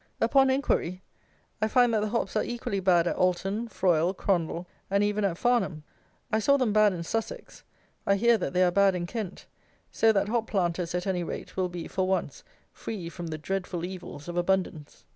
Upon inquiry, I find that the hops are equally bad at Alton, Froyle, Crondall, and even at Farnham. I saw them bad in Sussex; I hear that they are bad in Kent; so that hop planters, at any rate, will be, for once, free from the dreadful evils of abundance.